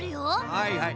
はいはい。